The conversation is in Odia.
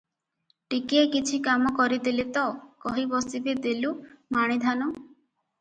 ଟିକିଏ କିଛି କାମ କରିଦେଲେ ତ, କହି ବସିବେ ଦେଲୁ ମାଣେ ଧାନ ।